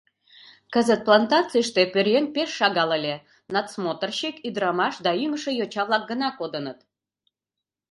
Кызыт плантацийыште пӧръеҥ пеш шагал ыле, надсмотрщик, ӱдырамаш да ӱҥышӧ йоча-влак гына кодыныт.